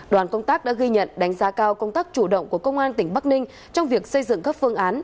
đoàn công tác đã ghi nhận đánh giá cao công tác chủ động của công an tỉnh bắc ninh trong việc xây dựng các phương án